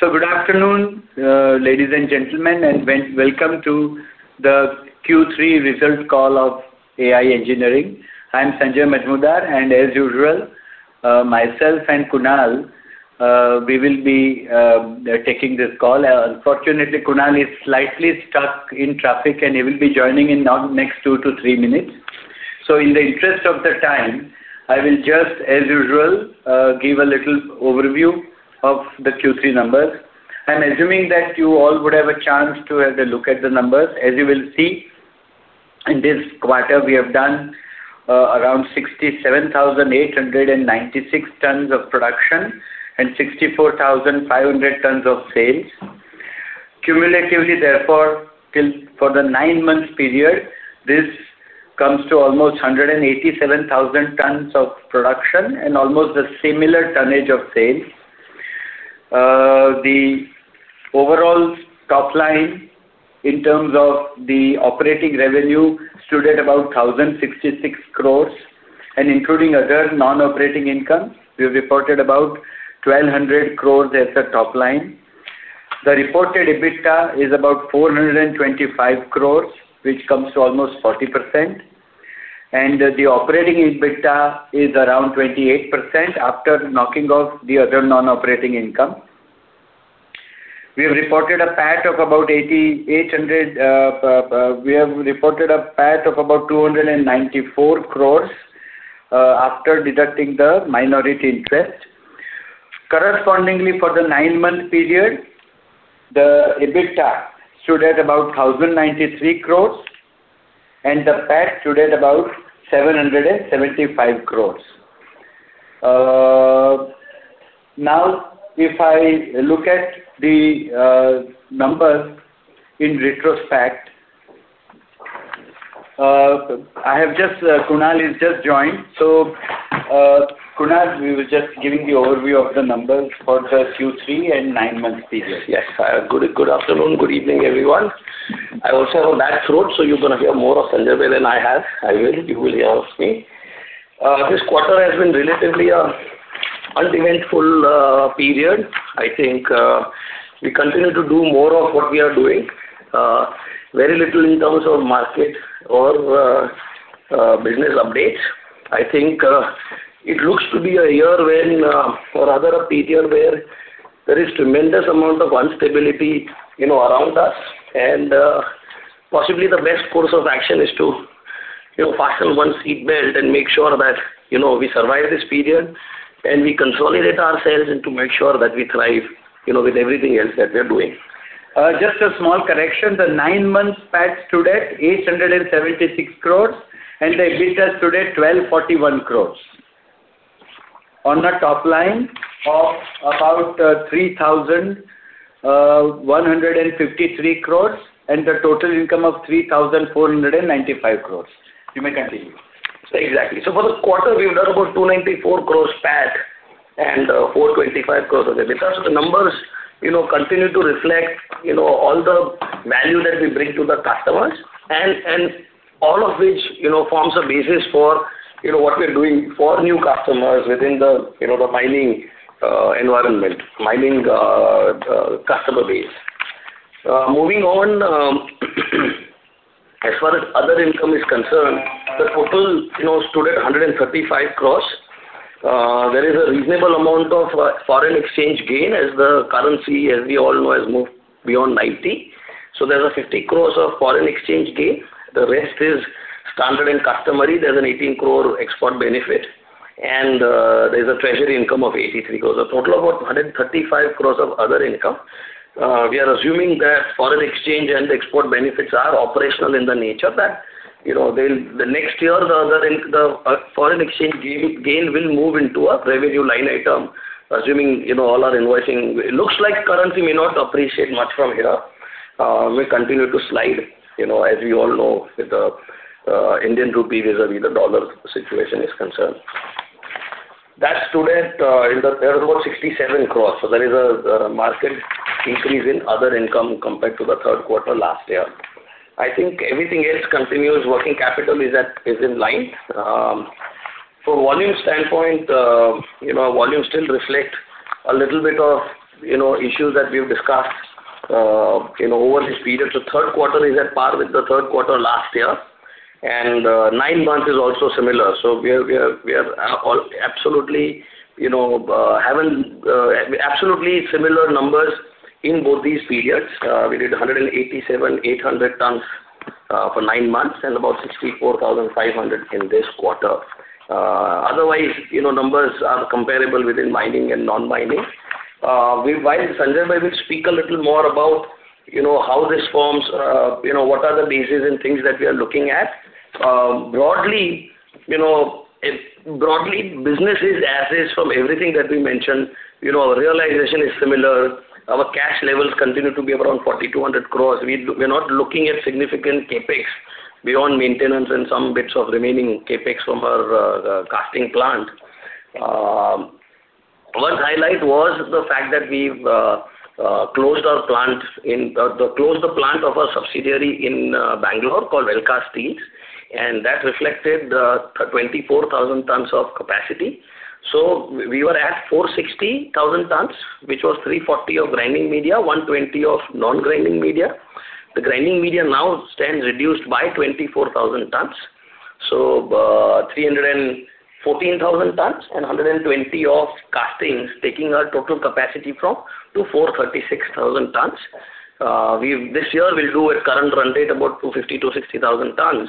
...So good afternoon, ladies and gentlemen, and welcome to the Q3 results call of AIA Engineering. I'm Sanjay Majmudar, and as usual, myself and Kunal, we will be taking this call. Unfortunately, Kunal is slightly stuck in traffic, and he will be joining in now next two to three minutes. So in the interest of the time, I will just, as usual, give a little overview of the Q3 numbers. I'm assuming that you all would have a chance to have a look at the numbers. As you will see, in this quarter, we have done around 67,896 tons of production and 64,500 tons of sales. Cumulatively, therefore, till for the nine-month period, this comes to almost 187,000 tons of production and almost a similar tonnage of sales. The overall top line, in terms of the operating revenue, stood at about 1,066 crores, and including other non-operating income, we have reported about 1,200 crores as the top line. The reported EBITDA is about 425 crores, which comes to almost 40%, and the operating EBITDA is around 28% after knocking off the other non-operating income. We have reported a PAT of about 8,800, uh, uh, uh... We have reported a PAT of about 294 crores, uh, after deducting the minority interest. Correspondingly, for the nine-month period, the EBITDA stood at about 1,093 crores, and the PAT stood at about 775 crores. Now, if I look at the numbers in retrospect, Kunal has just joined. So, Kunal, we were just giving the overview of the numbers for the Q3 and nine-month period. Yes. Good, good afternoon, good evening, everyone. I also have a bad throat, so you're going to hear more of Sanjay than I have. I will, you will hear of me. This quarter has been relatively an uneventful period. I think, we continue to do more of what we are doing. Very little in terms of market or, business updates. I think, it looks to be a year when, or rather a period where there is a tremendous amount of instability, you know, around us, and, possibly the best course of action is to, you know, fasten one's seatbelt and make sure that, you know, we survive this period, and we consolidate ourselves and to make sure that we thrive, you know, with everything else that we're doing. Just a small correction. The nine months PAT stood at 876 crore, and the EBITDA stood at 1,241 crore. On the top line of about 3,153 crore, and the total income of 3,495 crore. You may continue. Exactly. So for the quarter, we've done about 294 crore PAT and 425 crore of EBITDA. So the numbers, you know, continue to reflect, you know, all the value that we bring to the customers and, and all of which, you know, forms a basis for, you know, what we're doing for new customers within the, you know, the mining environment, mining customer base. Moving on, as far as other income is concerned, the total, you know, stood at 135 crore. There is a reasonable amount of foreign exchange gain as the currency, as we all know, has moved beyond 90. So there's 50 crore of foreign exchange gain. The rest is standard and customary. There's an 18 crore export benefit, and there's a treasury income of 83 crore, a total of about 135 crore of other income. We are assuming that foreign exchange and export benefits are operational in the nature that, you know, they'll the next year the foreign exchange gain will move into a revenue line item, assuming, you know, all our invoicing. It looks like currency may not appreciate much from here. We continue to slide, you know, as we all know, with the Indian rupee vis-à-vis the dollar situation is concerned. That stood at in the. There was about 67 crore, so there is a market increase in other income compared to the third quarter last year. I think everything else continues. Working capital is at, is in line. From volume standpoint, you know, volume still reflect a little bit of, you know, issues that we've discussed, you know, over this period. So third quarter is at par with the third quarter last year, and, nine months is also similar. So we are all absolutely, you know, having, absolutely similar numbers in both these periods. We did 187,800 tons for nine months, and about 64,500 in this quarter. Otherwise, you know, numbers are comparable within mining and non-mining. We, while Sanjay will speak a little more about, you know, how this forms, you know, what are the basis and things that we are looking at. Broadly, you know, broadly, business is as is from everything that we mentioned. You know, our realization is similar. Our cash levels continue to be around 4,200 crore. We're not looking at significant CapEx beyond maintenance and some bits of remaining CapEx from our casting plant. One highlight was the fact that we've closed the plant of our subsidiary in Bangalore called Welcast Steels. That reflected 24,000 tons of capacity. So we were at 460,000 tons, which was 340,000 tons of grinding media, 120,000 tons of non-grinding media. The grinding media now stands reduced by 24,000 tons, so 314,000 tons and 120,000 tons of castings, taking our total capacity from to 436,000 tons. This year, we'll do a current run rate about 250,000-260,000 tons.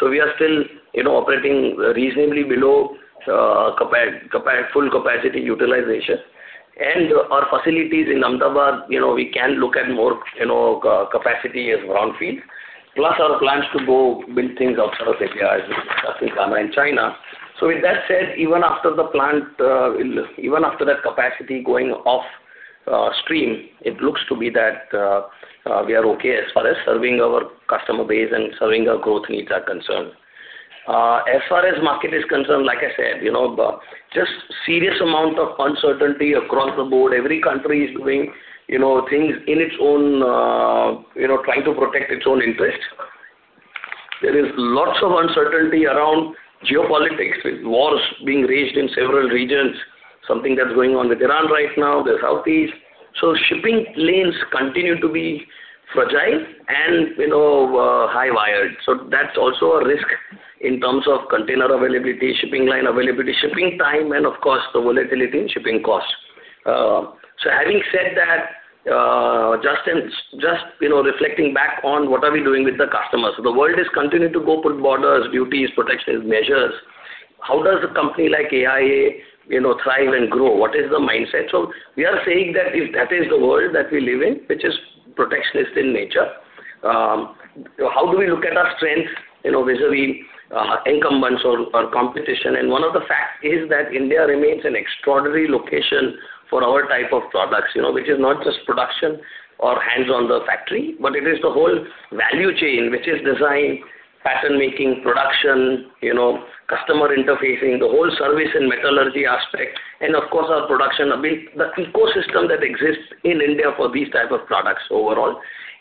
So we are still, you know, operating reasonably below full capacity utilization. And our facilities in Ahmedabad, you know, we can look at more, you know, capacity as brownfield, plus our plans to go build things outside of AIA, as we discussed in China and Ghana. So with that said, even after the plant, even after that capacity going off stream, it looks to be that we are okay as far as serving our customer base and serving our growth needs are concerned. As far as market is concerned, like I said, you know, just serious amount of uncertainty across the board. Every country is doing, you know, things in its own, you know, trying to protect its own interest. There is lots of uncertainty around geopolitics, with wars being waged in several regions, something that's going on with Iran right now, the Southeast. So shipping lanes continue to be fragile and, you know, haywire. So that's also a risk in terms of container availability, shipping line availability, shipping time, and of course, the volatility in shipping costs. So having said that, you know, reflecting back on what are we doing with the customers. So the world is continuing to go put borders, duties, protectionist measures. How does a company like AIA, you know, thrive and grow? What is the mindset? So we are saying that if that is the world that we live in, which is protectionist in nature, so how do we look at our strength, you know, vis-à-vis incumbents or competition? And one of the fact is that India remains an extraordinary location for our type of products, you know, which is not just production or hands-on the factory, but it is the whole value chain, which is design, pattern-making, production, you know, customer interfacing, the whole service and metallurgy aspect, and of course, our production. I mean, the ecosystem that exists in India for these type of products overall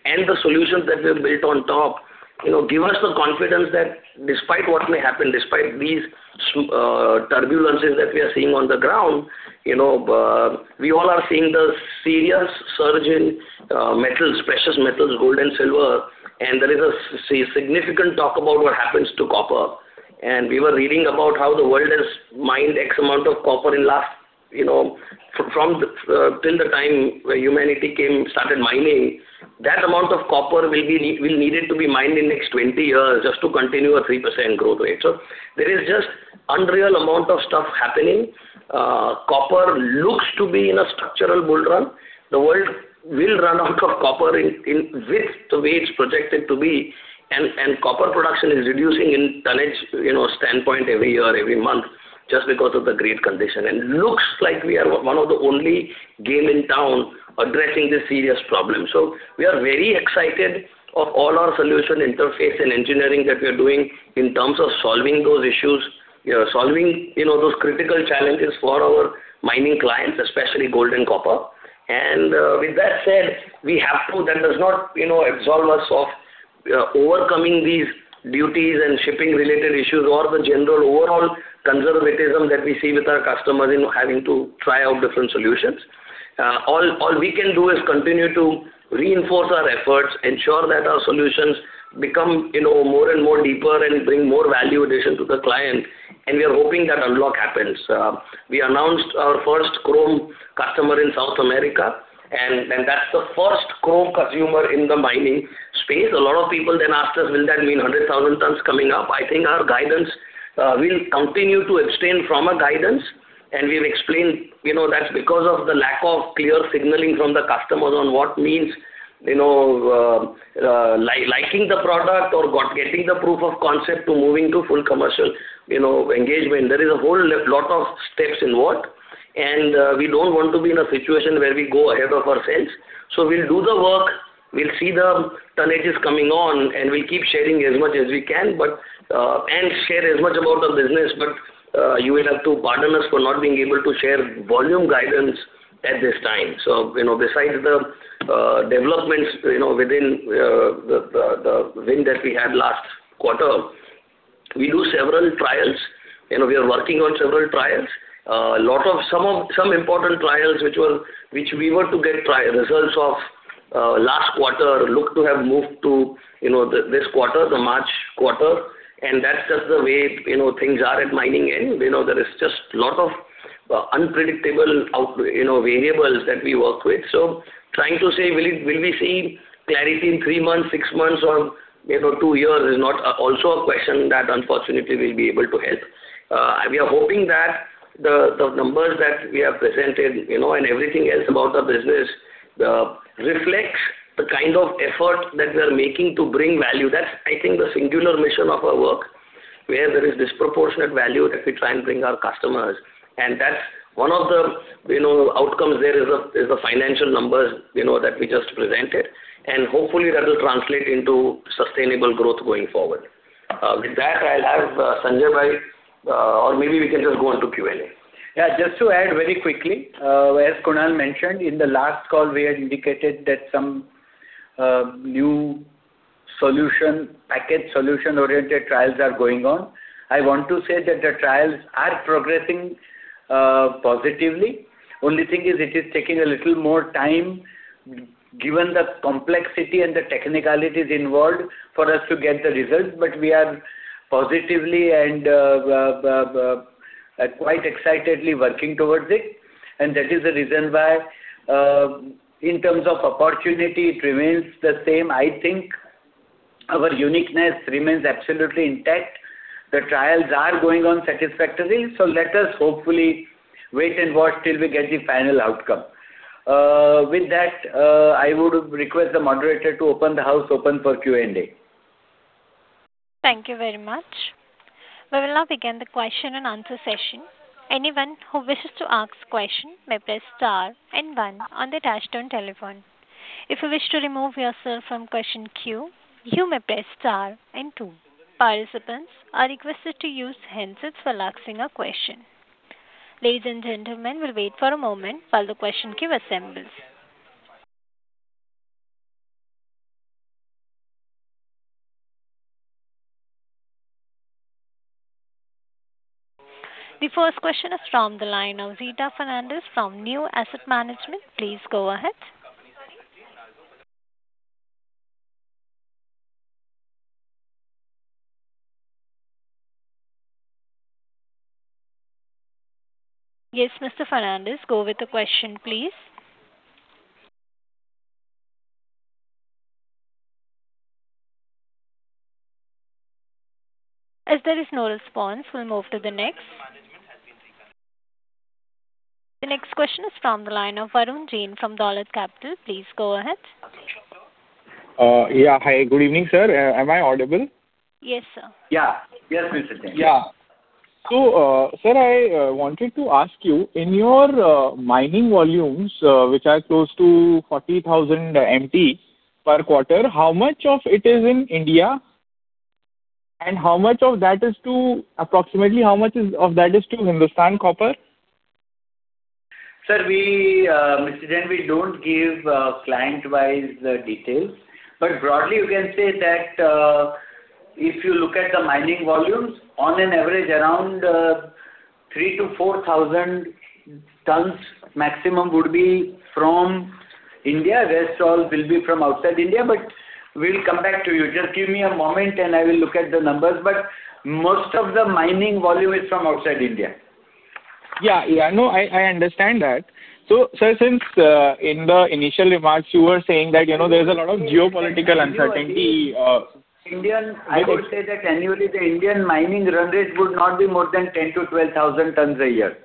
and the solutions that we have built on top, you know, give us the confidence that despite what may happen, despite these turbulences that we are seeing on the ground, you know, we all are seeing the serious surge in metals, precious metals, gold and silver, and there is a significant talk about what happens to copper. We were reading about how the world has mined X amount of copper in last, you know, from till the time where humanity came started mining. That amount of copper will be needed to be mined in next 20 years just to continue a 3% growth rate. So there is just unreal amount of stuff happening. Copper looks to be in a structural bull run. The world will run out of copper in with the way it's projected to be, and copper production is reducing in tonnage, you know, standpoint every year, every month, just because of the great condition. And looks like we are one of the only game in town addressing this serious problem. So we are very excited of all our solution interface and engineering that we are doing in terms of solving those issues, you know, those critical challenges for our mining clients, especially gold and copper. With that said, we have to, that does not, you know, absolve us of, overcoming these duties and shipping-related issues or the general overall conservatism that we see with our customers in having to try out different solutions. All we can do is continue to reinforce our efforts, ensure that our solutions become, you know, more and more deeper and bring more value addition to the client, and we are hoping that unlock happens. We announced our first chrome customer in South America, and that's the first chrome consumer in the mining space. A lot of people then asked us, "Will that mean 100,000 tons coming up?" I think our guidance, we'll continue to abstain from a guidance, and we've explained, you know, that's because of the lack of clear signaling from the customers on what means, you know, liking the product or getting the proof of concept to moving to full commercial, you know, engagement. There is a whole lot of steps involved, and we don't want to be in a situation where we go ahead of ourselves. So we'll do the work, we'll see the tonnages coming on, and we keep sharing as much as we can, but... And share as much about the business, but you will have to pardon us for not being able to share volume guidance at this time. So, you know, besides the developments, you know, within the win that we had last quarter, we do several trials. You know, we are working on several trials. A lot of some important trials which we were to get trial results of last quarter look to have moved to, you know, this quarter, the March quarter, and that's just the way, you know, things are at mining end. You know, there is just lot of unpredictable out, you know, variables that we work with. So trying to say, will we see clarity in three months, six months or, you know, two years, is not also a question that, unfortunately, we'll be able to help. We are hoping that the numbers that we have presented, you know, and everything else about the business, reflects the kind of effort that we are making to bring value. That's, I think, the singular mission of our work, where there is disproportionate value that we try and bring our customers, and that's one of the, you know, outcomes there is the financial numbers, you know, that we just presented, and hopefully, that will translate into sustainable growth going forward. With that, I'll have Sanjay-bhai, or maybe we can just go onto Q&A.... Yeah, just to add very quickly, as Kunal mentioned, in the last call, we had indicated that some new solution, package solution-oriented trials are going on. I want to say that the trials are progressing positively. Only thing is, it is taking a little more time, given the complexity and the technicalities involved, for us to get the results, but we are positively and quite excitedly working towards it, and that is the reason why, in terms of opportunity, it remains the same. I think our uniqueness remains absolutely intact. The trials are going on satisfactorily, so let us hopefully wait and watch till we get the final outcome. With that, I would request the moderator to open the house open for Q&A. Thank you very much. We will now begin the question-and-answer session. Anyone who wishes to ask question may press star and one on the touchtone telephone. If you wish to remove yourself from question queue, you may press star and two. Participants are requested to use handsets for asking a question. Ladies and gentlemen, we'll wait for a moment while the question queue assembles. The first question is from the line of Rita Fernandez from Neo Asset Management. Please go ahead. Yes, Mr. Fernandez, go with the question, please. As there is no response, we'll move to the next. The next question is from the line of Varun Jain from Dolat Capital. Please go ahead. Yeah. Hi, good evening, sir. Am I audible? Yes, sir. Yeah. Yes, Mr. Jain. Yeah. So, sir, I wanted to ask you, in your mining volumes, which are close to 40,000 MT per quarter, how much of it is in India, and how much of that is to, approximately how much is, of that is to Hindustan Copper? Sir, we, Mr. Jain, we don't give, client-wise details, but broadly, you can say that, if you look at the mining volumes, on an average, around, 3,000-4,000 tons maximum would be from India. Rest all will be from outside India, but we'll come back to you. Just give me a moment, and I will look at the numbers, but most of the mining volume is from outside India. Yeah, yeah. No, I, I understand that. So, sir, since, in the initial remarks, you were saying that, you know, there's a lot of geopolitical uncertainty, Indian, I would say that annually, the Indian mining run rate would not be more than 10,000-12,000 tons a year.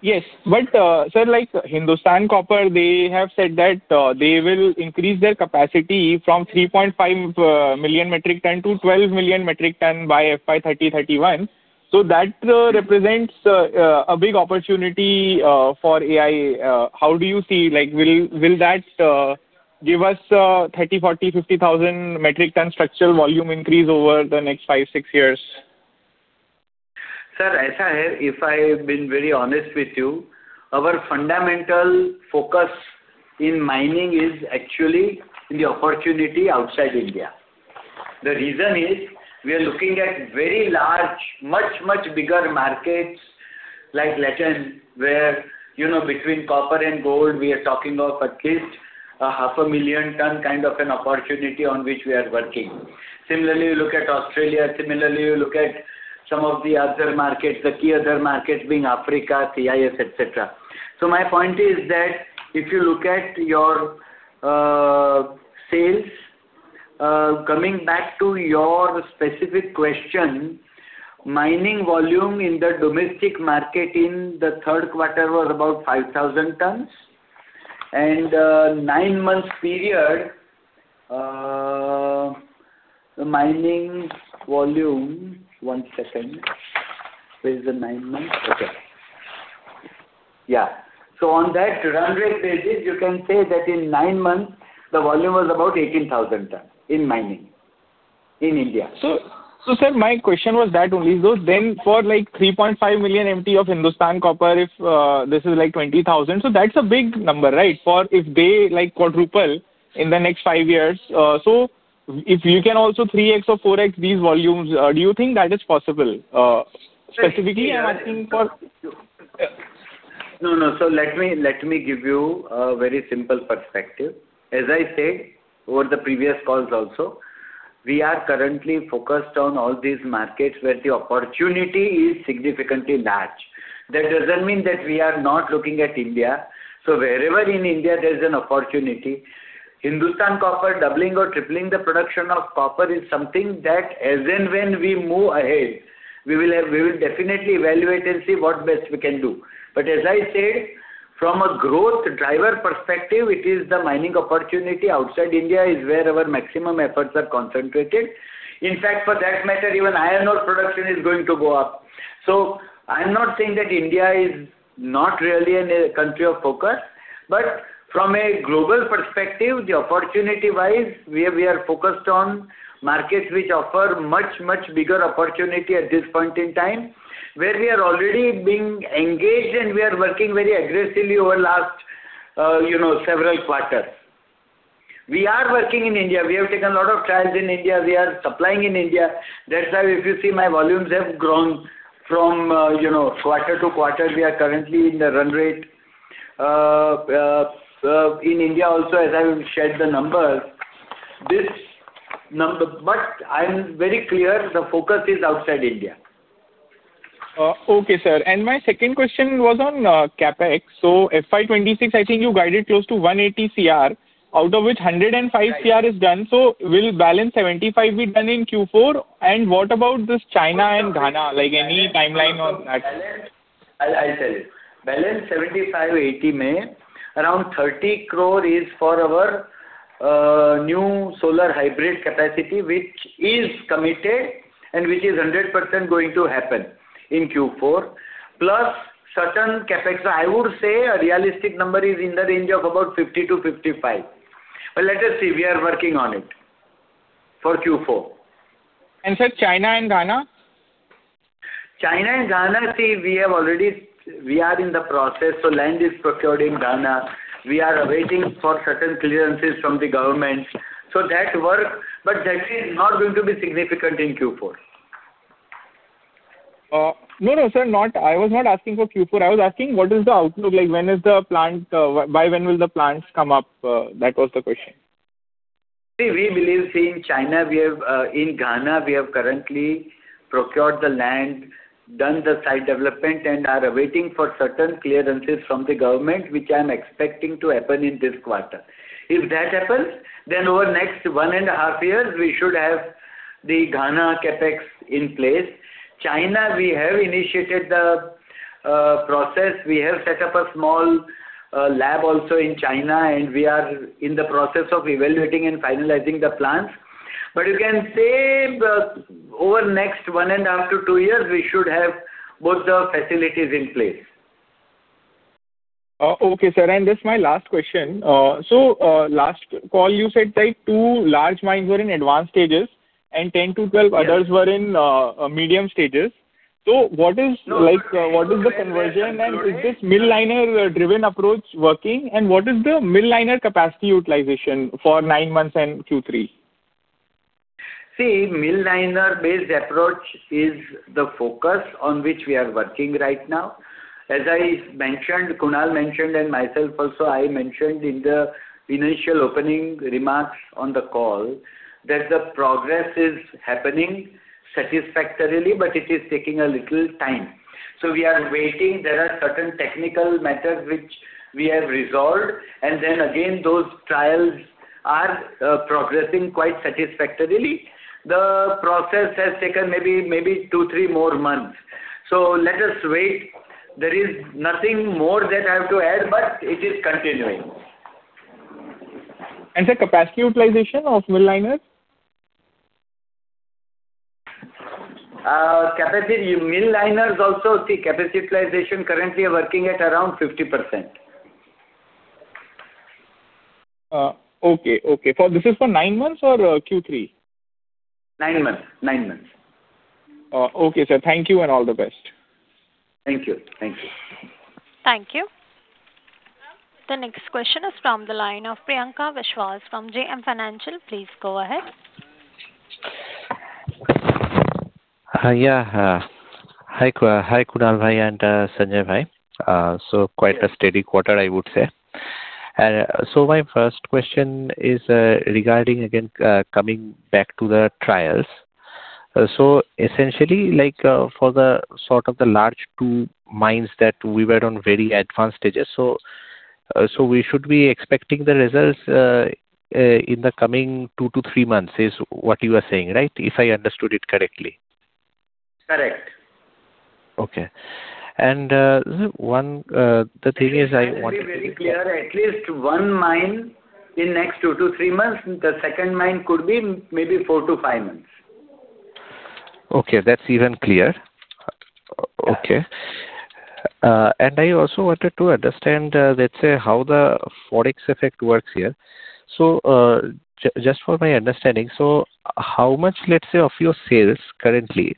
Yes, but, sir, like Hindustan Copper, they have said that they will increase their capacity from 3.5 million metric ton to 12 million metric ton by FY 2031. So that represents a big opportunity for AI. How do you see, like, will, will that give us 30, 40, 50 thousand metric ton structural volume increase over the next five, six years? Sir, if I have been very honest with you, our fundamental focus in mining is actually in the opportunity outside India. The reason is, we are looking at very large, much, much bigger markets, like Latin, where, you know, between copper and gold, we are talking of at least a 500,000-ton kind of an opportunity on which we are working. Similarly, you look at Australia, similarly, you look at some of the other markets, the key other markets being Africa, CIS, et cetera. So my point is that, if you look at your, sales, coming back to your specific question, mining volume in the domestic market in the third quarter was about 5,000 tons, and, nine months period, the mining volume... One second. Where's the nine months? Okay. Yeah. On that run rate basis, you can say that in nine months, the volume was about 18,000 tons in mining in India. So, sir, my question was that only, so then for, like, 3.5 million MT of Hindustan Copper, if this is, like, 20,000, so that's a big number, right? For if they, like, quadruple in the next five years, so if you can also 3x or 4x these volumes, specifically, I'm asking for- No, no. So let me, let me give you a very simple perspective. As I said, over the previous calls also, we are currently focused on all these markets where the opportunity is significantly large. That doesn't mean that we are not looking at India, so wherever in India there's an opportunity. Hindustan Copper, doubling or tripling the production of copper is something that, as and when we move ahead, we will have- we will definitely evaluate and see what best we can do. But as I said, from a growth driver perspective, it is the mining opportunity outside India is where our maximum efforts are concentrated. In fact, for that matter, even iron ore production is going to go up. So I'm not saying that India is not really a country of focus. But from a global perspective, the opportunity-wise, we are focused on markets which offer much, much bigger opportunity at this point in time, where we are already being engaged and we are working very aggressively over last, you know, several quarters. We are working in India. We have taken a lot of trials in India. We are supplying in India. That's why if you see my volumes have grown from, you know, quarter to quarter. We are currently in the run rate. In India also, as I have shared the numbers, this number—But I'm very clear, the focus is outside India. Okay, sir. My second question was on CapEx. So FY 2026, I think you guided close to 180 crore, out of which 105 crore is done. Right. Will balance 75 be done in Q4? What about this China and Ghana, like, any timeline on that? I'll, I'll tell you. Balance 75-80 may around 30 crore is for our new solar hybrid capacity, which is committed and which is 100% going to happen in Q4, plus certain CapEx. I would say a realistic number is in the range of about 50-55. But let us see, we are working on it for Q4. Sir, China and Ghana? China and Ghana, see, we are in the process, so land is procured in Ghana. We are awaiting for certain clearances from the government. So that work, but that is not going to be significant in Q4. No, no, sir, not... I was not asking for Q4. I was asking what is the outlook, like, when is the plant, by when will the plants come up? That was the question. In Ghana, we have currently procured the land, done the site development, and are awaiting for certain clearances from the government, which I'm expecting to happen in this quarter. If that happens, then over next 1.5 years, we should have the Ghana CapEx in place. China, we have initiated the process. We have set up a small lab also in China, and we are in the process of evaluating and finalizing the plans. But you can say, over next 1.5-2 years, we should have both the facilities in place. Okay, sir, and this is my last question. So, last call, you said, like, two large mines were in advanced stages and 10-12 others- Yes. We were in medium stages. So what is, like, what is the conversion, and is this mill liner driven approach working? And what is the mill liner capacity utilization for nine months and Q3? See, mill liner-based approach is the focus on which we are working right now. As I mentioned, Kunal mentioned, and myself also, I mentioned in the initial opening remarks on the call, that the progress is happening satisfactorily, but it is taking a little time. So we are waiting. There are certain technical matters which we have resolved, and then again, those trials are progressing quite satisfactorily. The process has taken maybe, maybe two, three more months. So let us wait. There is nothing more that I have to add, but it is continuing. Sir, capacity utilization of mill liner? Capacity, mill liners also, capacity utilization currently are working at around 50%. Okay. Okay. Is this for nine months or Q3? 9 months, 9 months. Okay, sir. Thank you, and all the best. Thank you. Thank you. Thank you. The next question is from the line of Priyanka Biswas from JM Financial. Please go ahead. Hi, yeah. Hi, hi, Kunal bhai, and Sanjay bhai. So quite a steady quarter, I would say. And so my first question is regarding, again, coming back to the trials. So essentially, like, for the sort of the large 2 mines that we were on very advanced stages, so we should be expecting the results in the coming 2-3 months, is what you are saying, right? If I understood it correctly. Correct. Okay. And, one, the thing is I wanted- To be very clear, at least one mine in next 2-3 months, the second mine could be maybe 4-5 months. Okay, that's even clearer. Okay. And I also wanted to understand, let's say, how the Forex effect works here. So, just for my understanding, so how much, let's say, of your sales currently,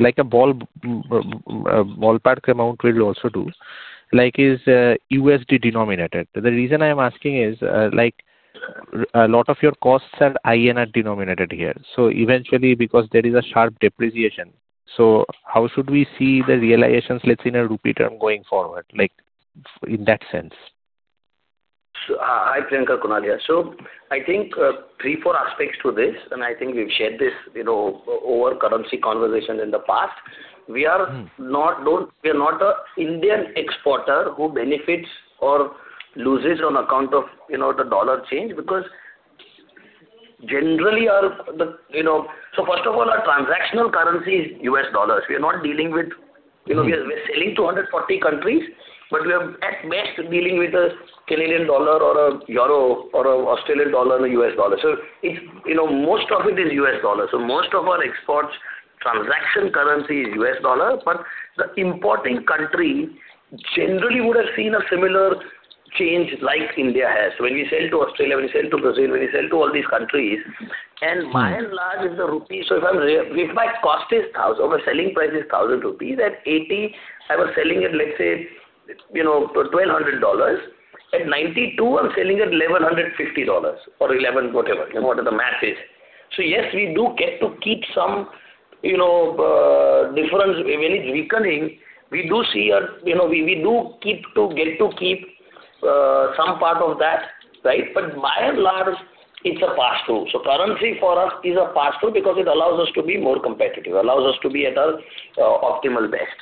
like a ball, ballpark amount will also do, like, is, USD denominated? The reason I am asking is, like, a lot of your costs are INR denominated here. So eventually, because there is a sharp depreciation, so how should we see the realizations, let's say, in a rupee term going forward, like, in that sense? Hi, Priyanka, Kunal here. I think, three, four aspects to this, and I think we've shared this, you know, over currency conversation in the past. Mm. We are not an Indian exporter who benefits or loses on account of, you know, the dollar change, because generally, our you know. So first of all, our transactional currency is U.S. dollars. We are not dealing with- Mm-hmm. You know, we are selling to 140 countries, but we are at best dealing with a Canadian dollar or a euro or a Australian dollar and a US dollar. So it's, you know, most of it is US dollar. So most of our exports-... transaction currency is US dollar, but the importing country generally would have seen a similar change like India has. When you sell to Australia, when you sell to Brazil, when you sell to all these countries, and by and large, if the rupee—so if I'm, if my cost is 1,000, my selling price is 1,000 rupees, at 80, I was selling it, let's say, you know, $1,200. At 92, I'm selling at $1,150 or $1,100 whatever, you know, whatever the math is. So yes, we do get to keep some, you know, difference. When it's weakening, we do see a, you know, we, we do keep to get to keep, some part of that, right? But by and large, it's a pass-through. So currency for us is a pass-through because it allows us to be more competitive, allows us to be at our optimal best.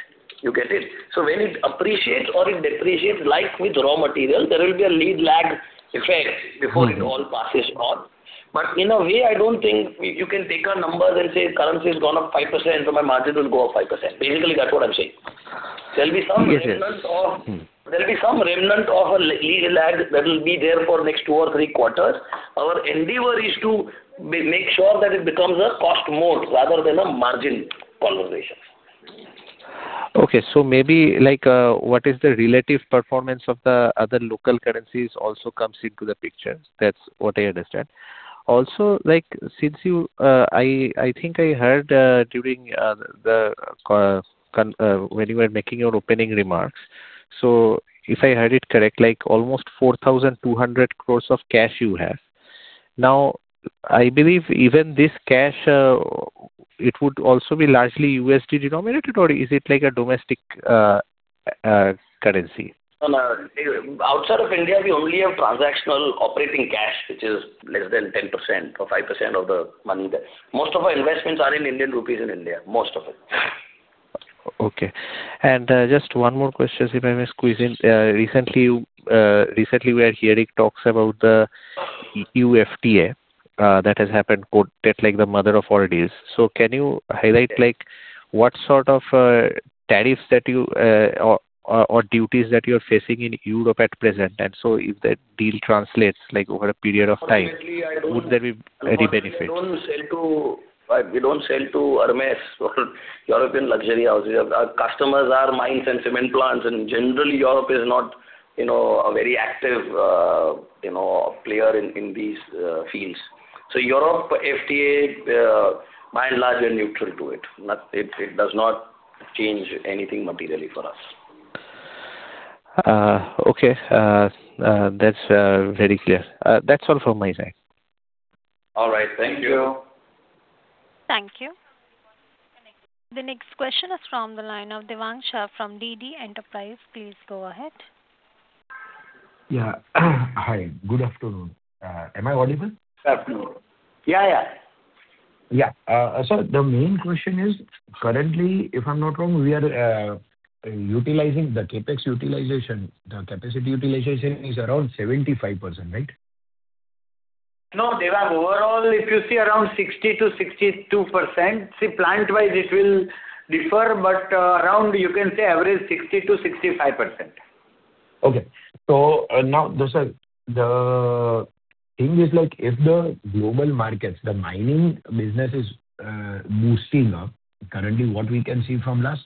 You get it? So when it appreciates or it depreciates, like with raw material, there will be a lead lag effect before it all passes on. But in a way, I don't think you, you can take our numbers and say currency has gone up 5%, so my margin will go up 5%. Basically, that's what I'm saying. Yes, yes. There'll be some remnant of a lead lag that will be there for next two or three quarters. Our endeavor is to make sure that it becomes a cost mode rather than a margin conversation. Okay, so maybe like, what is the relative performance of the other local currencies also comes into the picture. That's what I understand. Also, like, since you... I think I heard during the call when you were making your opening remarks, so if I heard it correct, like almost 4,200 crore of cash you have. Now, I believe even this cash, it would also be largely USD denominated, or is it like a domestic currency? No, no. Outside of India, we only have transactional operating cash, which is less than 10% or 5% of the money there. Most of our investments are in Indian rupees in India, most of it. Okay. And, just one more question, if I may squeeze in. Recently, you, recently we are hearing talks about the EU FTA, that has happened, quoted like the mother of all it is. So can you highlight, like, what sort of, tariffs that you, or, or duties that you're facing in Europe at present, and so if that deal translates, like, over a period of time? Currently, I don't- Would there be any benefit? We don't sell to, we don't sell to Hermès or European luxury houses. Our customers are mines and cement plants, and generally, Europe is not, you know, a very active, you know, player in these fields. So Europe FTA, by and large, we're neutral to it. It does not change anything materially for us. Okay. That's very clear. That's all from my side. All right. Thank you. Thank you. The next question is from the line of Devansh from DD Enterprise. Please go ahead. Yeah. Hi, good afternoon. Am I audible? Good afternoon. Yeah, yeah. Yeah. So the main question is, currently, if I'm not wrong, we are utilizing the CapEx utilization, the capacity utilization is around 75%, right? No, Devansh, overall, if you see around 60%-62%. See, plant-wide, it will differ, but, around you can say average 60%-65%. Okay. So, now, sir, the thing is, like, if the global markets, the mining business is boosting up, currently what we can see from last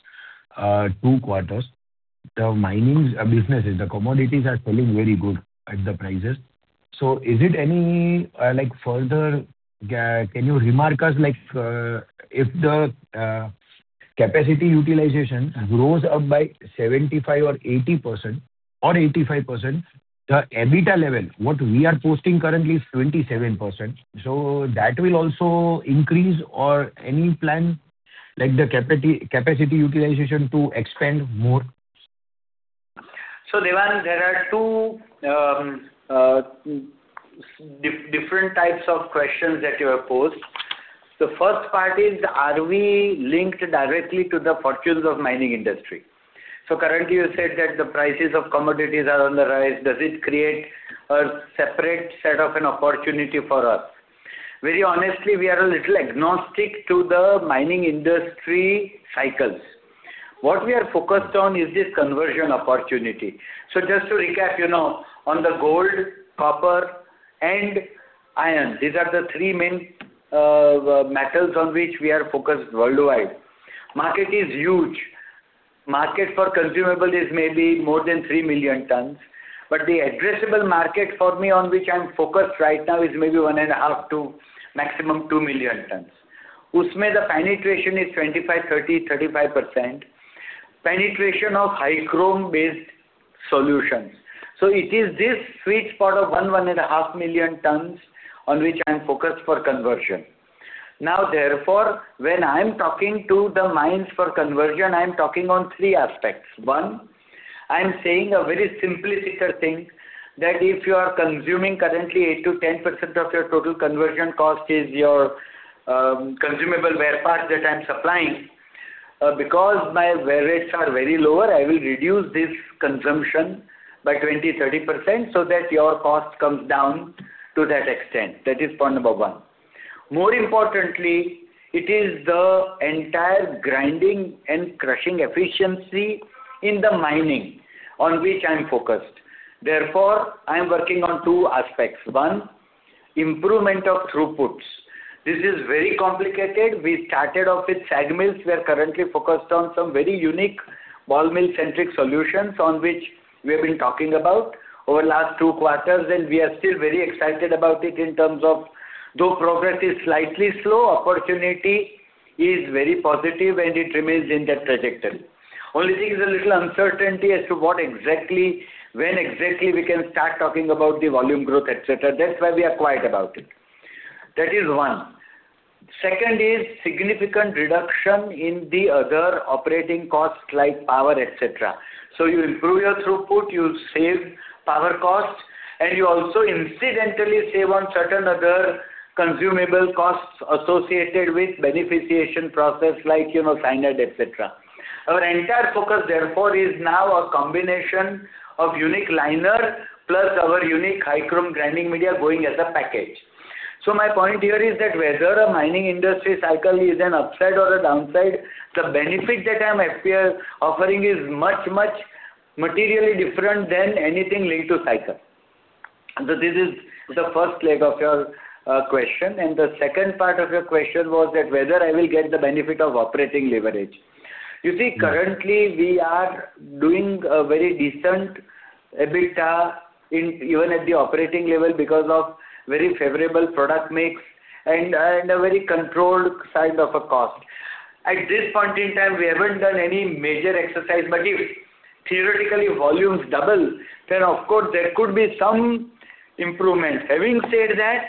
two quarters, the mining business is the commodities are selling very good at the prices. So is it any, like, further, can you remark us, like, if the capacity utilization grows up by 75% or 80% or 85%, the EBITDA level, what we are posting currently is 27%, so that will also increase or any plan, like the capacity, capacity utilization to expand more? So, Devansh, there are two, different types of questions that you have posed. The first part is, are we linked directly to the fortunes of mining industry? So currently, you said that the prices of commodities are on the rise. Does it create a separate set of an opportunity for us? Very honestly, we are a little agnostic to the mining industry cycles. What we are focused on is this conversion opportunity. So just to recap, you know, on the gold, copper, and iron, these are the three main, metals on which we are focused worldwide. Market is huge. Market for consumables is maybe more than 3 million tons, but the addressable market for me on which I'm focused right now is maybe 1.5 to maximum 2 million tons. Usme the penetration is 25, 30, 35%. Penetration of high chrome-based solutions. So it is this sweet spot of 1-1.5 million tons on which I'm focused for conversion. Now, therefore, when I'm talking to the mines for conversion, I'm talking on three aspects. One, I'm saying a very simplistic thing, that if you are consuming currently 8%-10% of your total conversion cost is your, consumable wear parts that I'm supplying, because my wear rates are very lower, I will reduce this consumption by 20%-30%, so that your cost comes down to that extent. That is point number one. More importantly, it is the entire grinding and crushing efficiency in the mining on which I'm focused. Therefore, I'm working on two aspects. One improvement of throughputs. This is very complicated. We started off with SAG mills. We are currently focused on some very unique ball mill-centric solutions on which we have been talking about over the last two quarters, and we are still very excited about it in terms of, though progress is slightly slow, opportunity is very positive and it remains in that trajectory. Only thing is a little uncertainty as to what exactly, when exactly we can start talking about the volume growth, et cetera. That's why we are quiet about it. That is one. Second is significant reduction in the other operating costs, like power, et cetera. So you improve your throughput, you save power costs, and you also incidentally save on certain other consumable costs associated with beneficiation process, like, you know, cyanide, et cetera. Our entire focus, therefore, is now a combination of unique liner plus our unique high chrome grinding media going as a package. So my point here is that whether a mining industry cycle is an upside or a downside, the benefit that I'm offering is much, much materially different than anything linked to cycle. So this is the first leg of your question, and the second part of your question was that whether I will get the benefit of operating leverage. You see, currently, we are doing a very decent EBITDA even at the operating level, because of very favorable product mix and a very controlled side of a cost. At this point in time, we haven't done any major exercise, but if theoretically volumes double, then, of course, there could be some improvement. Having said that,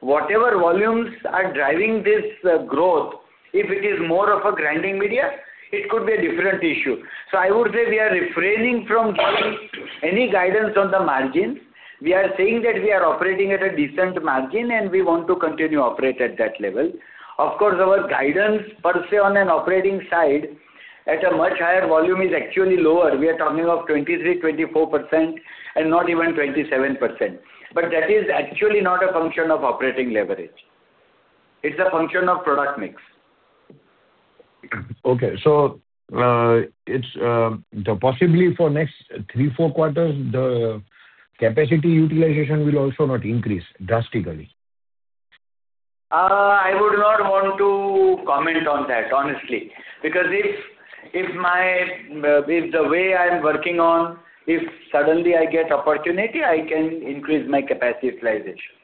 whatever volumes are driving this growth, if it is more of a grinding media, it could be a different issue. So I would say we are refraining from giving any guidance on the margins. We are saying that we are operating at a decent margin, and we want to continue operate at that level. Of course, our guidance per se, on an operating side, at a much higher volume, is actually lower. We are talking of 23%-24% and not even 27%. But that is actually not a function of operating leverage. It's a function of product mix. Okay. So, it's possibly for next 3, 4 quarters, the capacity utilization will also not increase drastically? I would not want to comment on that, honestly. Because if the way I'm working on, if suddenly I get opportunity, I can increase my capacity utilization.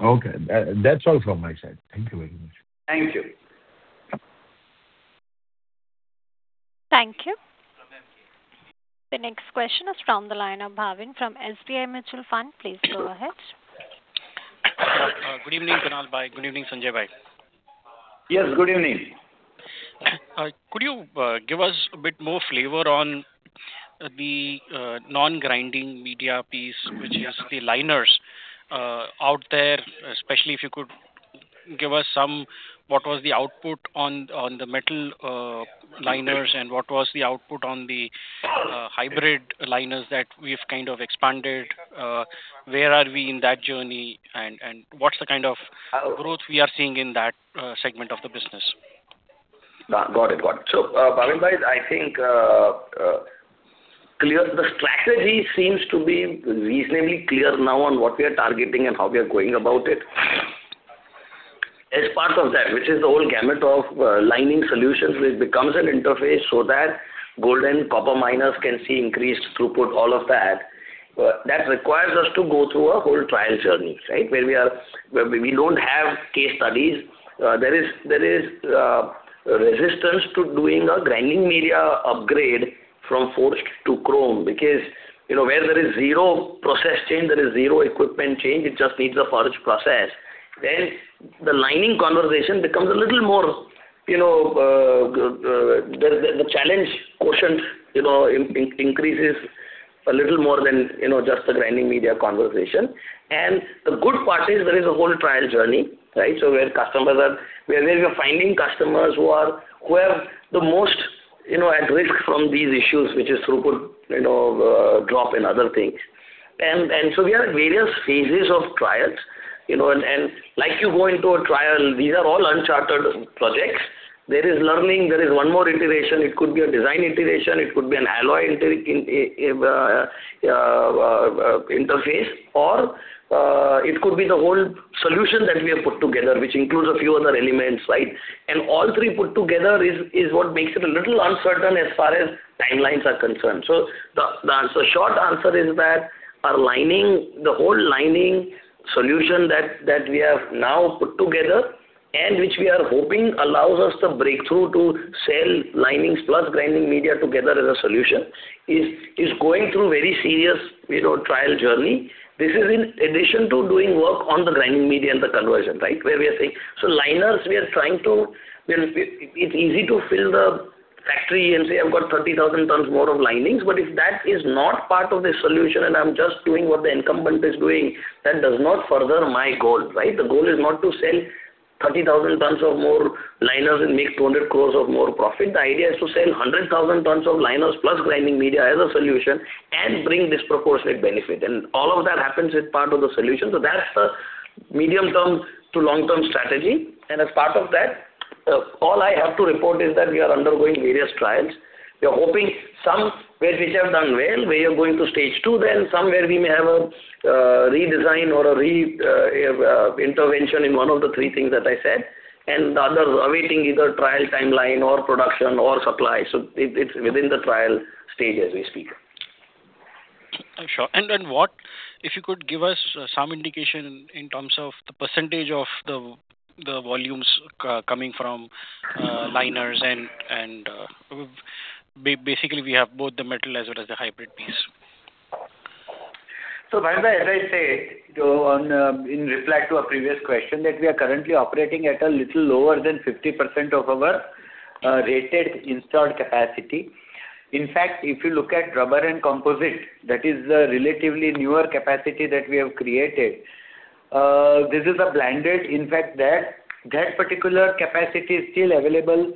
Okay. That, that's all from my side. Thank you very much. Thank you. Thank you. The next question is from the line of Bhavin from SBI Mutual Fund. Please go ahead. Good evening, Kunal bhai. Good evening, Sanjay bhai. Yes, good evening. Could you give us a bit more flavor on the non-grinding media piece, which is the liners out there, especially if you could give us some... What was the output on the metal liners, and what was the output on the hybrid liners that we've kind of expanded? Where are we in that journey? And what's the kind of growth we are seeing in that segment of the business? Got it, got it. So, Bhavin bhai, I think, clear, the strategy seems to be reasonably clear now on what we are targeting and how we are going about it. As part of that, which is the whole gamut of lining solutions, which becomes an interface so that gold and copper miners can see increased throughput, all of that. That requires us to go through a whole trial journey, right? Where we don't have case studies. There is resistance to doing a grinding media upgrade from forged to chrome, because, you know, where there is zero process change, there is zero equipment change, it just needs a forge process. Then the liner conversation becomes a little more, you know, the challenge quotient, you know, increases a little more than, you know, just the grinding media conversation. And the good part is there is a whole trial journey, right? So where customers are where we are finding customers who are the most, you know, at risk from these issues, which is throughput, you know, drop and other things. And so we are at various phases of trials, you know, and like you go into a trial, these are all uncharted projects. There is learning, there is one more iteration. It could be a design iteration, it could be an alloy interface, or it could be the whole solution that we have put together, which includes a few other elements, right? All three put together is what makes it a little uncertain as far as timelines are concerned. So the answer—short answer is that our lining, the whole lining solution that we have now put together, and which we are hoping allows us the breakthrough to sell linings plus grinding media together as a solution, is going through very serious, you know, trial journey. This is in addition to doing work on the grinding media and the conversion, right? Where we are saying... So liners, we are trying to—Well, it's easy to fill the factory and say, "I've got 30,000 tons more of linings." But if that is not part of the solution and I'm just doing what the incumbent is doing, that does not further my goal, right? The goal is not to sell 30,000 tons of more liners and make 200 crore more profit. The idea is to sell 100,000 tons of liners plus grinding media as a solution and bring disproportionate benefit. All of that happens as part of the solution. So that's the medium-term to long-term strategy, and as part of that, all I have to report is that we are undergoing various trials. We are hoping somewhere which have done well, we are going to stage two, then somewhere we may have a redesign or a reintervention in one of the three things that I said, and the others awaiting either trial timeline or production or supply. So it's within the trial stage as we speak. I'm sure. And what if you could give us some indication in terms of the percentage of the volumes coming from liners and basically, we have both the metal as well as the hybrid piece. So, Bhavesh, as I said, in reply to a previous question, that we are currently operating at a little lower than 50% of our rated installed capacity. In fact, if you look at rubber and composite, that is a relatively newer capacity that we have created. This is a blended, in fact, that particular capacity is still available,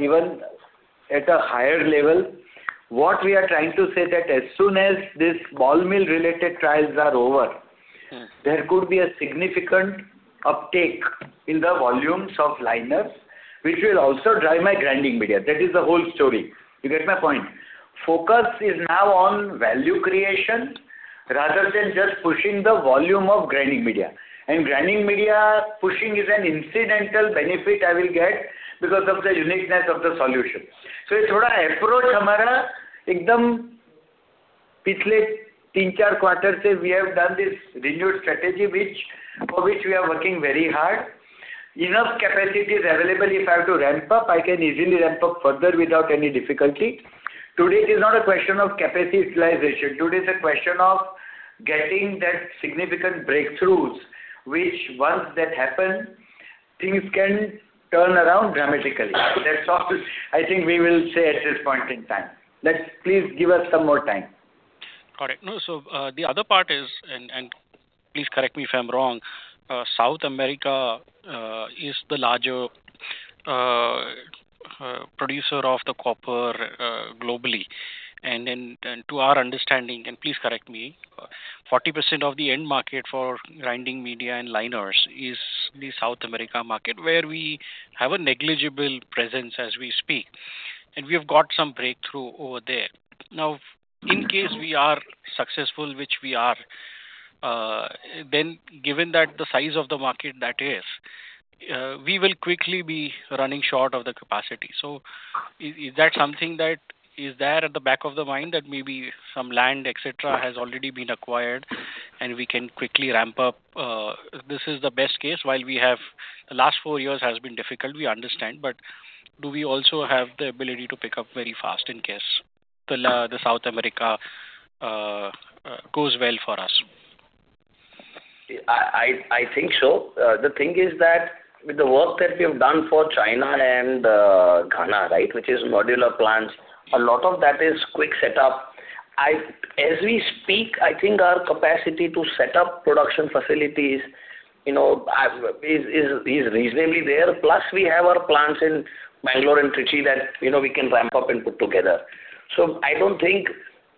even at a higher level. What we are trying to say that as soon as this ball mill related trials are over- Mm. There could be a significant uptake in the volumes of liners, which will also drive my grinding media. That is the whole story. You get my point? Focus is now on value creation rather than just pushing the volume of grinding media. And grinding media, pushing is an incidental benefit I will get because of the uniqueness of the solution. So we have done this renewed strategy, which, for which we are working very hard. Enough capacity is available. If I have to ramp up, I can easily ramp up further without any difficulty. Today, it is not a question of capacity utilization. Today, it's a question of getting that significant breakthroughs, which once that happens, things can turn around dramatically. That's all I think we will say at this point in time. Let's. Please give us some more time. Got it. No, so, the other part is, and please correct me if I'm wrong, South America is the larger producer of the copper globally. And then, to our understanding, and please correct me, 40% of the end market for grinding media and liners is the South America market, where we have a negligible presence as we speak, and we have got some breakthrough over there. Now, in case we are successful, which we are, then given that the size of the market that is, we will quickly be running short of the capacity. So is that something that is there at the back of the mind, that maybe some land, et cetera, has already been acquired and we can quickly ramp up? This is the best case while we have... The last four years has been difficult, we understand. But do we also have the ability to pick up very fast in case the South America goes well for us? I think so. The thing is that with the work that we have done for China and Ghana, right, which is modular plants, a lot of that is quick setup. As we speak, I think our capacity to set up production facilities, you know, is reasonably there. Plus, we have our plants in Bangalore and Trichy that, you know, we can ramp up and put together. So I don't think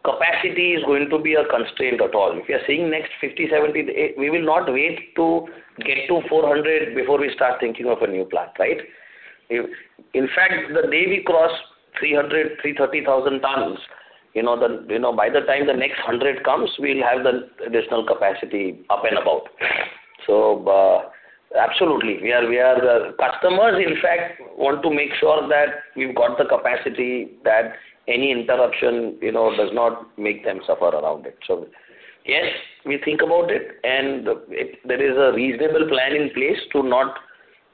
capacity is going to be a constraint at all. If you are saying next 50, 70, we will not wait to get to 400 before we start thinking of a new plant, right? In fact, the day we cross 300,000, 330,000 tons, you know, by the time the next 100 comes, we'll have the additional capacity up and about. So, absolutely, we are. The customers, in fact, want to make sure that we've got the capacity, that any interruption, you know, does not make them suffer around it. So yes, we think about it, and if there is a reasonable plan in place.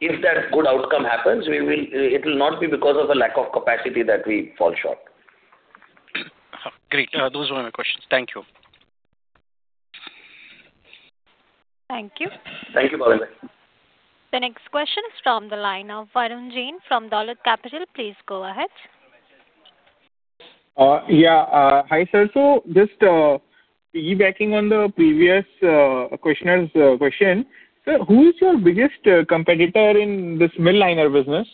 If that good outcome happens, we will, it will not be because of a lack of capacity that we fall short. Great. Those were my questions. Thank you. Thank you. Thank you, Bhavesh. The next question is from the line of Varun Jain from Dolat Capital. Please go ahead. Yeah, hi, sir. So just piggybacking on the previous questioner's question. Sir, who is your biggest competitor in this mill liner business?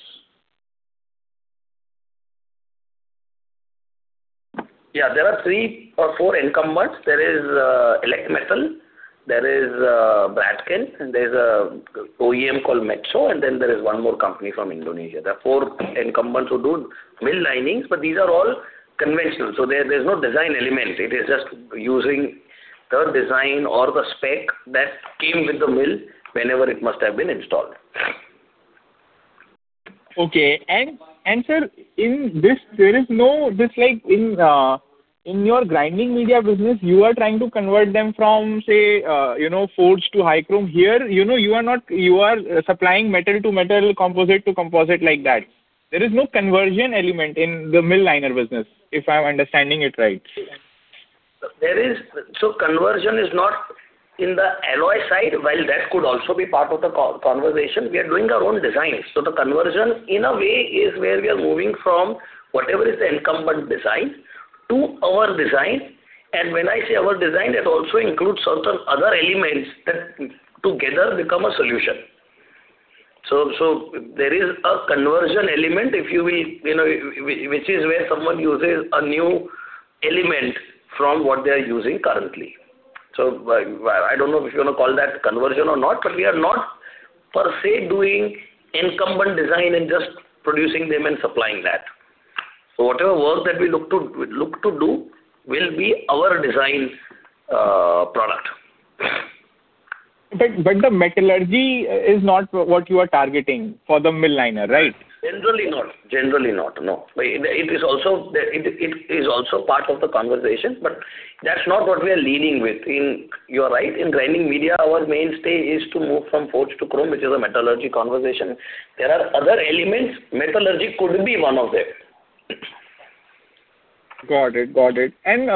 Yeah, there are three or four incumbents. There is Elecmetal, there is Bradken, and there's a OEM called Metso, and then there is one more company from Indonesia. There are four incumbents who do mill linings, but these are all conventional, so there, there's no design element. It is just using the design or the spec that came with the mill whenever it must have been installed. Okay. And, sir, in this, there is no—just like in your grinding media business, you are trying to convert them from, say, you know, forged to high chrome. Here, you know, you are not—you are supplying metal to metal, composite to composite, like that. There is no conversion element in the mill liner business, if I'm understanding it right. So conversion is not in the alloy side. While that could also be part of the conversation, we are doing our own design. So the conversion, in a way, is where we are moving from whatever is the incumbent design to our design. And when I say our design, it also includes certain other elements that together become a solution. So there is a conversion element, if you will, you know, which is where someone uses a new element from what they are using currently. So, like, well, I don't know if you're going to call that conversion or not, but we are not per se doing incumbent design and just producing them and supplying that. So whatever work that we look to do will be our design product. But, the metallurgy is not what you are targeting for the mill liner, right? Generally not. Generally not, no. But it is also part of the conversation, but that's not what we are leading with. You are right, in grinding media, our mainstay is to move from forge to chrome, which is a metallurgy conversation. There are other elements, metallurgy could be one of them. Got it. Got it. And,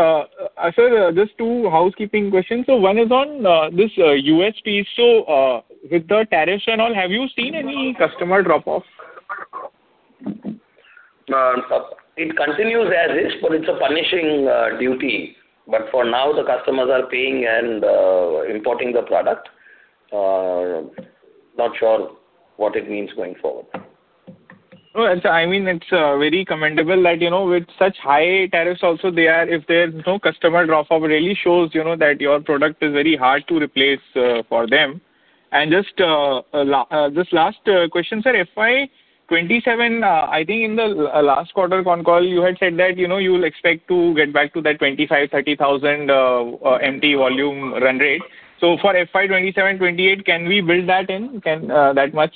sir, just two housekeeping questions. So one is on this USP. So, with the tariffs and all, have you seen any customer drop-off? It continues as is, but it's a punishing duty. But for now, the customers are paying and importing the product. Not sure what it means going forward. Oh, and so I mean, it's very commendable that, you know, with such high tariffs also, they are—if there's no customer drop-off, it really shows, you know, that your product is very hard to replace, for them. And just this last question, sir, FY 2027, I think in the last quarter con call, you had said that, you know, you will expect to get back to that 25,000-30,000 MT volume run rate. So for FY 2027-2028, can we build that in, can that much?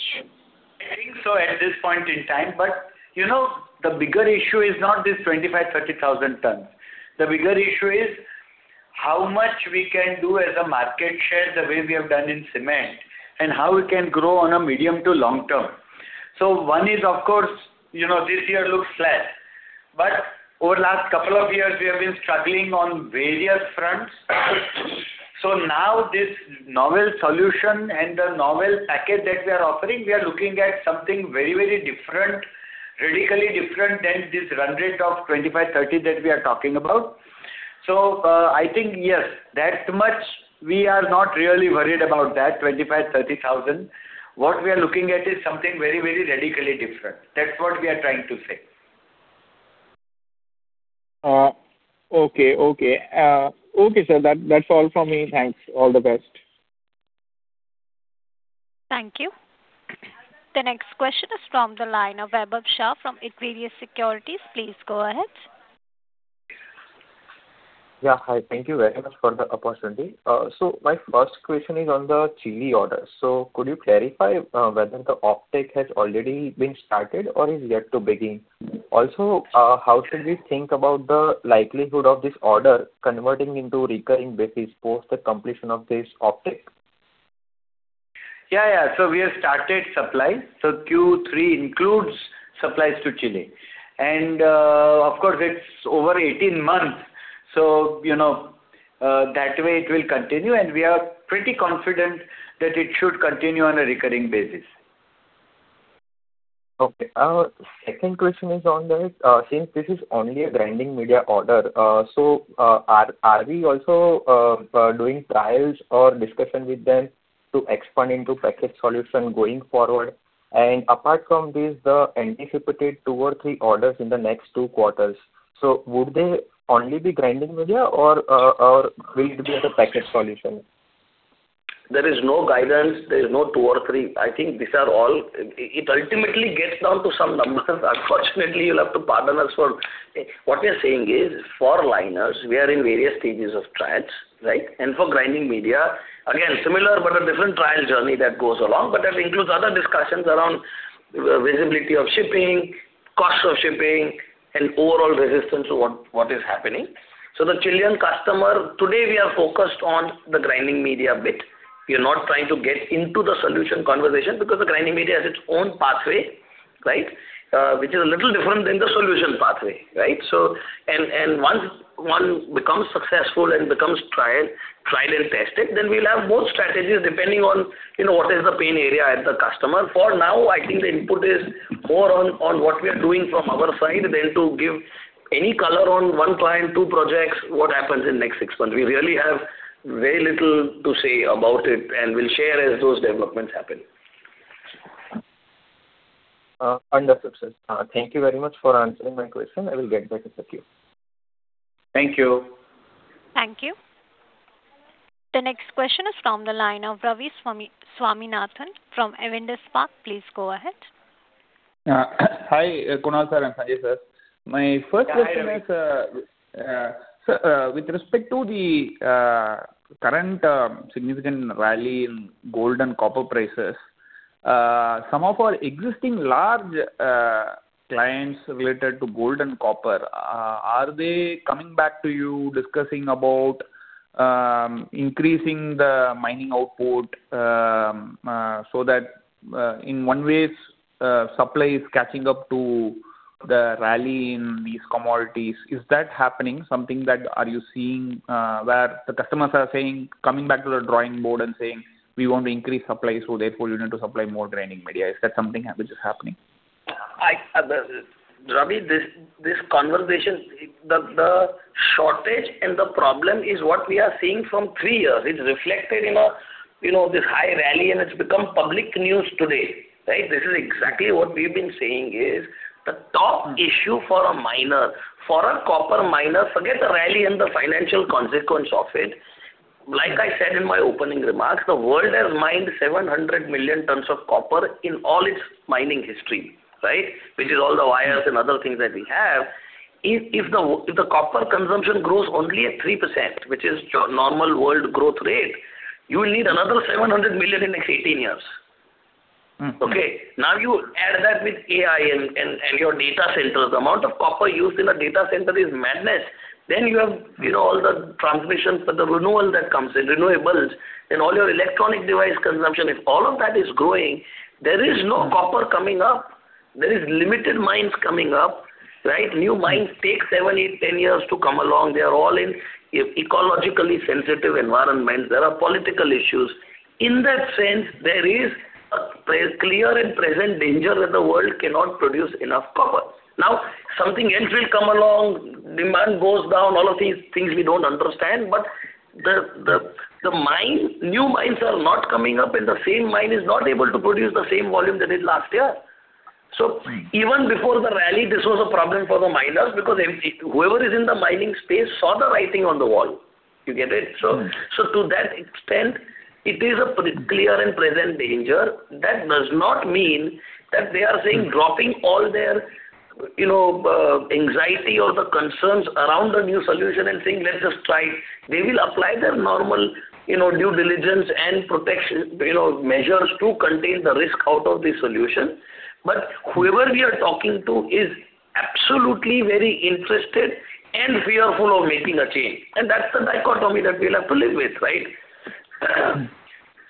I think so at this point in time, but, you know, the bigger issue is not this 25,000-30,000 tons. The bigger issue is how much we can do as a market share, the way we have done in cement, and how we can grow on a medium to long term. So one is, of course, you know, this year looks flat, but over the last couple of years, we have been struggling on various fronts. So now this novel solution and the novel package that we are offering, we are looking at something very, very different, radically different than this run rate of 25-30 that we are talking about. So, I think, yes, that much we are not really worried about that 25,000-30,000. What we are looking at is something very, very radically different. That's what we are trying to say. Okay. Okay. Okay, sir. That, that's all from me. Thanks. All the best. Thank you. The next question is from the line of Vaibhav Shah, from Indsec Securities. Please go ahead. Yeah, hi. Thank you very much for the opportunity. My first question is on the Chile order. Could you clarify whether the offtake has already been started or is yet to begin? Also, how should we think about the likelihood of this order converting into recurring basis post the completion of this offtake? Yeah, yeah. So we have started supply. So Q3 includes supplies to Chile. And, of course, it's over 18 months, so, you know, that way it will continue, and we are pretty confident that it should continue on a recurring basis. Okay. Second question is on the, since this is only a grinding media order, so, are, are we also, doing trials or discussion with them to expand into package solution going forward? And apart from this, the anticipated two or three orders in the next two quarters, so would they only be grinding media or, or will it be the package solution? There is no guidance. There is no 2 or 3. I think these are all. It ultimately gets down to some numbers. Unfortunately, you'll have to pardon us. What we are saying is, for liners, we are in various stages of trials, right? And for grinding media, again, similar but a different trial journey that goes along, but that includes other discussions around visibility of shipping, cost of shipping, and overall resistance to what is happening. So the Chilean customer, today, we are focused on the grinding media bit. We are not trying to get into the solution conversation because the grinding media has its own pathway, right? Which is a little different than the solution pathway, right? Once one becomes successful and becomes tried and tested, then we'll have more strategies depending on, you know, what is the pain area at the customer. For now, I think the input is more on what we are doing from our side than to give any color on one client, two projects, what happens in next six months. We really have very little to say about it, and we'll share as those developments happen. Understood, sir. Thank you very much for answering my question. I will get back to you. Thank you. Thank you. The next question is from the line of Ravi Swaminathan from Avendus Spark. Please go ahead. Hi, Kunal Sir, and Sanjay Sir. Yeah, hi, Ravi. My first question is, so, with respect to the current significant rally in gold and copper prices, some of our existing large clients related to gold and copper, are they coming back to you discussing about increasing the mining output, so that, in one way, supply is catching up to the rally in these commodities? Is that happening, something that are you seeing, where the customers are saying, coming back to the drawing board and saying: "We want to increase supply, so therefore, you need to supply more grinding media?" Is that something which is happening?... Ravi, this conversation, the shortage and the problem is what we are seeing from three years. It's reflected in, you know, this high rally, and it's become public news today, right? This is exactly what we've been saying, is the top issue for a miner, for a copper miner, forget the rally and the financial consequence of it. Like I said in my opening remarks, the world has mined 700 million tons of copper in all its mining history, right? Which is all the wires and other things that we have. If the copper consumption grows only at 3%, which is your normal world growth rate, you will need another 700 million in the next 18 years. Mm-hmm. Okay. Now, you add that with AI and your data centers. The amount of copper used in a data center is madness. Then you have, you know, all the transmissions for the renewal that comes in, renewables, and all your electronic device consumption. If all of that is growing, there is no copper coming up. There is limited mines coming up, right? Mm-hmm. New mines take 7, 8, 10 years to come along. They are all in ecologically sensitive environments. There are political issues. In that sense, there is a clear and present danger that the world cannot produce enough copper. Now, something else will come along, demand goes down, all of these things we don't understand, but the mine, new mines are not coming up, and the same mine is not able to produce the same volume they did last year. Mm. So even before the rally, this was a problem for the miners, because whoever is in the mining space saw the writing on the wall. You get it? Mm. So, to that extent, it is a clear and present danger. That does not mean that they are saying, dropping all their, you know, anxiety or the concerns around the new solution and saying, "Let's just try." They will apply their normal, you know, due diligence and protection, you know, measures to contain the risk out of the solution. But whoever we are talking to is absolutely very interested and fearful of making a change, and that's the dichotomy that we'll have to live with, right?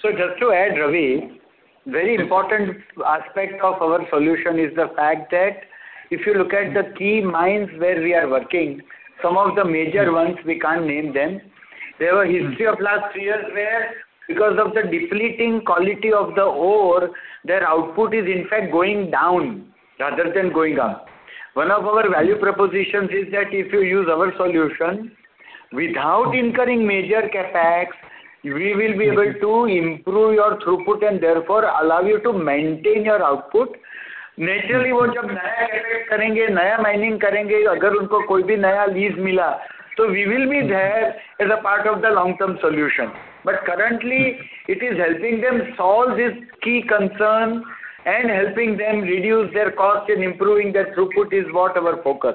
So just to add, Ravi, a very important aspect of our solution is the fact that if you look at the key mines where we are working, some of the major ones, we can't name them. They have a history of the last three years, where, because of the depleting quality of the ore, their output is in fact going down rather than going up. One of our value propositions is that if you use our solution, without incurring major CapEx, we will be able to improve your throughput and therefore allow you to maintain your output. Naturally, so we will be there as a part of the long-term solution. But currently, it is helping them solve this key concern and helping them reduce their costs and improving their throughput is what our focus.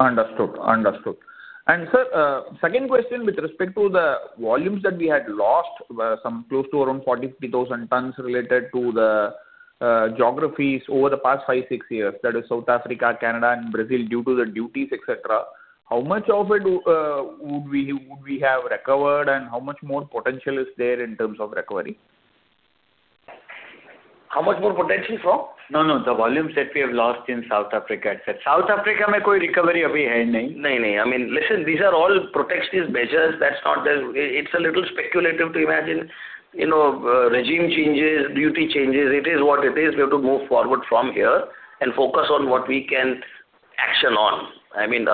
Understood. Understood. And sir, second question with respect to the volumes that we had lost, some close to around 40,000-50,000 tons related to the geographies over the past 5-6 years, that is South Africa, Canada, and Brazil, due to the duties, et cetera. How much of it would we have recovered, and how much more potential is there in terms of recovery? How much more potential from? No, no, the volumes that we have lost in South Africa, et cetera. I mean, listen, these are all protectionist measures. That's not the... It's a little speculative to imagine, you know, regime changes, duty changes. It is what it is. We have to move forward from here and focus on what we can action on. I mean,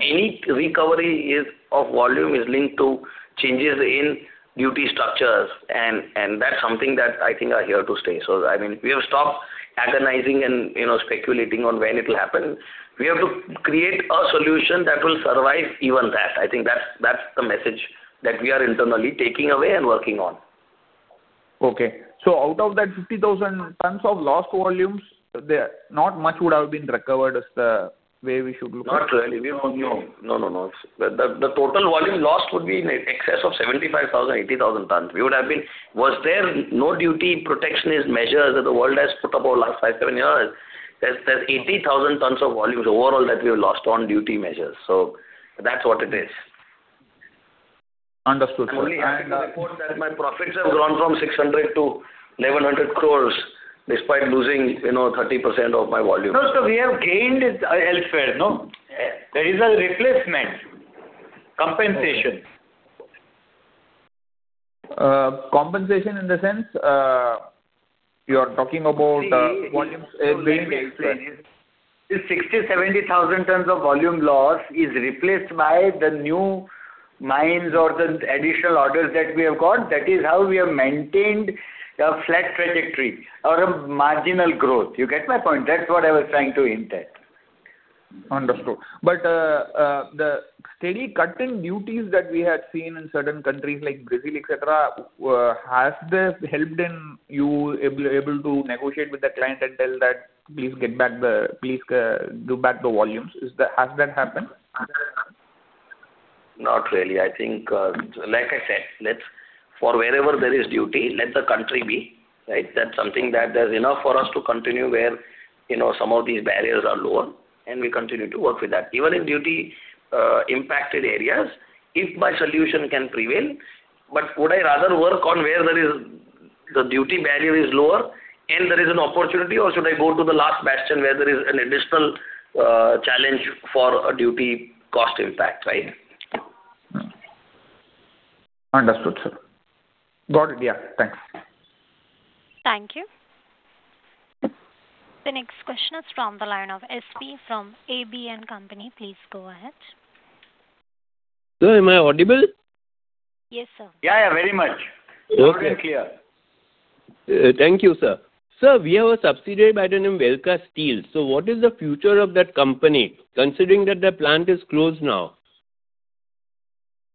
any recovery is, of volume is linked to changes in duty structures, and, and that's something that I think are here to stay. So I mean, we have stopped agonizing and, you know, speculating on when it will happen. We have to create a solution that will survive even that. I think that's, that's the message that we are internally taking away and working on. Okay. So out of that 50,000 tons of lost volumes, there, not much would have been recovered, is the way we should look at it? Not really. No, no, no, no. The total volume lost would be in excess of 75,000-80,000 tons. We would have been. Was there no duty protectionist measures that the world has put up over the last 5-7 years? There's 80,000 tons of volumes overall that we have lost on duty measures, so that's what it is. Understood, sir. I'm only happy to report that my profits have grown from 600 crores to 1,100 crores, despite losing, you know, 30% of my volume. No, so we have gained it elsewhere, no? There is a replacement, compensation. Compensation in the sense you are talking about, volumes- Let me explain. This 60,000-70,000 tons of volume loss is replaced by the new mines or the additional orders that we have got. That is how we have maintained a flat trajectory or a marginal growth. You get my point? That's what I was trying to intend. Understood. But, the steady cutting duties that we had seen in certain countries like Brazil, et cetera, has this helped in you able to negotiate with the client and tell that, "Please, do back the volumes?" Is that, has that happened? Not really. I think, like I said, let's, for wherever there is duty, let the country be, right? That's something that there's enough for us to continue where, you know, some of these barriers are lower, and we continue to work with that. Even in duty, impacted areas, if my solution can prevail, but would I rather work on where there is, the duty barrier is lower and there is an opportunity, or should I go to the last bastion, where there is an additional, challenge for a duty cost impact, right? ...Understood, sir. Got it. Yeah, thanks. Thank you. The next question is from the line of S.P. from ABN AMRO. Please go ahead. Sir, am I audible? Yes, sir. Yeah, yeah, very much. Okay. Loud and clear. Thank you, sir. Sir, we have a subsidiary by the name Welcast Steels. So what is the future of that company, considering that the plant is closed now?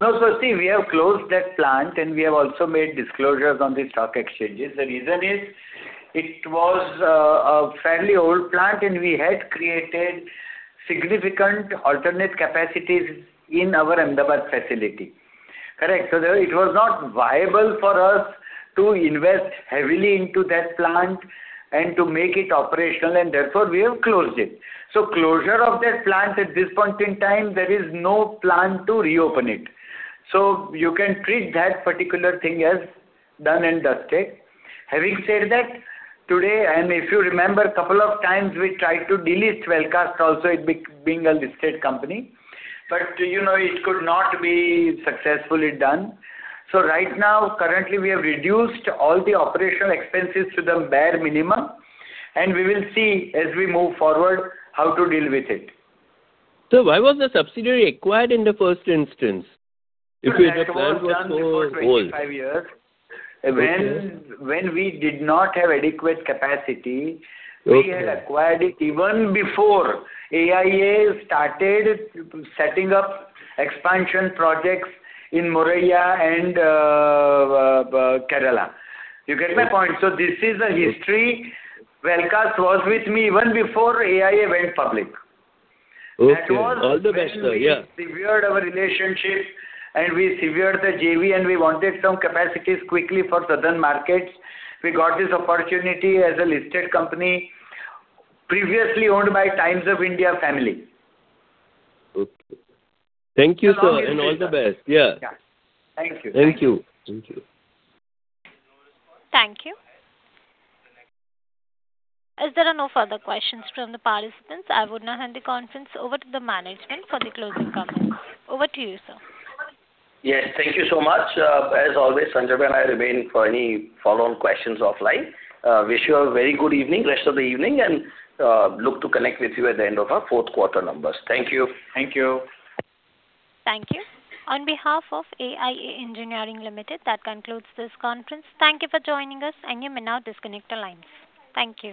No, so see, we have closed that plant, and we have also made disclosures on the stock exchanges. The reason is, it was a fairly old plant, and we had created significant alternate capacities in our Ahmedabad facility. Correct. So there, it was not viable for us to invest heavily into that plant and to make it operational, and therefore, we have closed it. So closure of that plant at this point in time, there is no plan to reopen it. So you can treat that particular thing as done and dusted. Having said that, today, and if you remember, couple of times we tried to delist Welcast also, it being a listed company, but, you know, it could not be successfully done. Right now, currently, we have reduced all the operational expenses to the bare minimum, and we will see as we move forward, how to deal with it. Sir, why was the subsidiary acquired in the first instance? If it was planned for whole- It was done before 25 years. Okay. When we did not have adequate capacity- Okay. We had acquired it even before AIA started setting up expansion projects in Moraiya and Kerala. You get my point? Yes. This is a history. Welcast was with me even before AIA went public. Okay. All the best, sir. Yeah. We severed our relationship, and we severed the JV, and we wanted some capacities quickly for southern markets. We got this opportunity as a listed company, previously owned by Times of India family. Okay. Thank you, sir, and all the best. Yeah. Yeah. Thank you. Thank you. Thank you. Thank you. As there are no further questions from the participants, I would now hand the conference over to the management for the closing comments. Over to you, sir. Yes, thank you so much. As always, Sanjay and I remain for any follow-on questions offline. Wish you a very good evening, rest of the evening, and look to connect with you at the end of our fourth quarter numbers. Thank you. Thank you. Thank you. On behalf of AIA Engineering Limited, that concludes this conference. Thank you for joining us, and you may now disconnect the lines. Thank you.